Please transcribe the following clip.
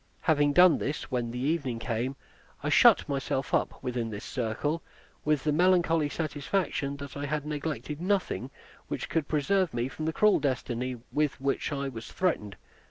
Having done this, when the evening came, I shut myself up within this circle, with the melancholy satisfaction that I had neglected nothing which could preserve me from the cruel destiny with which I was threatened.